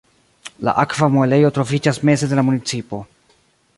La akva muelejo troviĝas meze de la municipo.